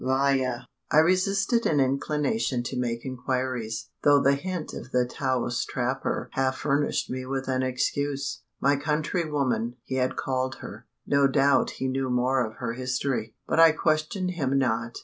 Vaya!" I resisted an inclination to make inquiries: though the hint of the Taos trapper half furnished me with an excuse. My "countrywoman," he had called her. No doubt he knew more of her history; but I questioned him not.